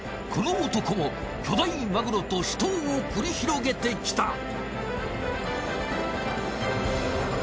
この男も巨大マグロと死闘を繰り広げてきた。